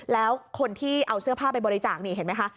แล้วคนที่เอาเสื้อผ้าไปบริจาคนี่เห็นไหมคะ